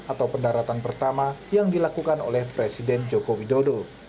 atau pendaratan pertama yang dilakukan oleh presiden joko widodo